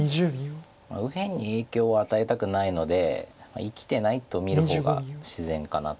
右辺に影響を与えたくないので生きてないと見る方が自然かなと。